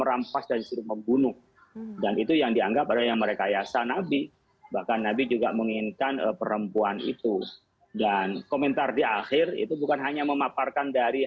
apa yang masuk dalam hal ini